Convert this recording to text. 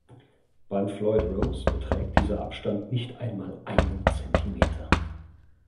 Beim Floyd Rose beträgt dieser Abstand nicht einmal einen Zentimeter.